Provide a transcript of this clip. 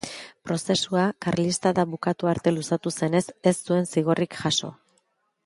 Prozesua karlistada bukatu arte luzatu zenez, ez zuen zigorrik jaso.